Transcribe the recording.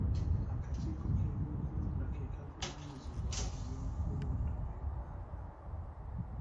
Akakiiko k'ebyokulonda ke kavunaanyizibwa ku by'okulonda mu Uganda.